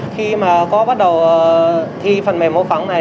khi mà cô bắt đầu thi phần mềm mô phỏng này